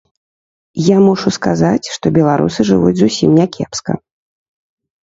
Я мушу сказаць, што беларусы жывуць зусім не кепска.